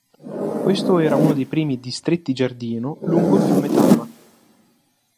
Questo era uno dei primi distretti-giardino lungo il fiume Tama.